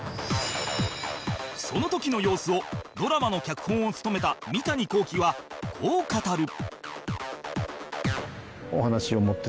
その時の様子をドラマの脚本を務めた三谷幸喜はこう語る